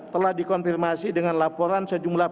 telah dikonfirmasi dengan laporan